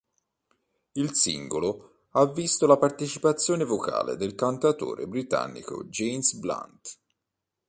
Il singolo ha visto la partecipazione vocale del cantautore britannico James Blunt.